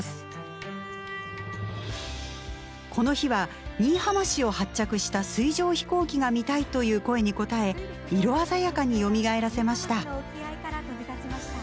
この日は「新居浜市を発着した水上飛行機が見たい」という声に応え色鮮やかによみがえらせました。